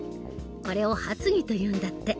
これを発議というんだって。